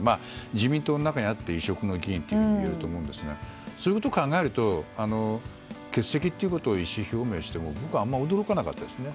自民党の中にあって異色の議員といえると思いますがそういうことを考えると欠席ということを意思表明しても僕はあまり驚かなかったですね。